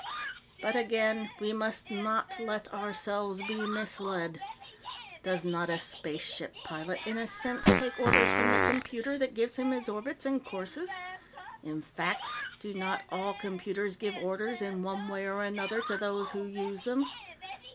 "But, again, we must not let ourselves be misled. Does not a spaceship pilot, in a sense, take orders from the computer that gives him his orbits and courses? In fact, do not all computers give orders, in one way or another, to those who use them?